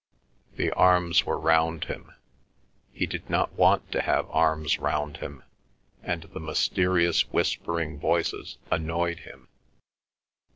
The arms were round him. He did not want to have arms round him, and the mysterious whispering voices annoyed him.